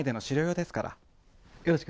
よろしく。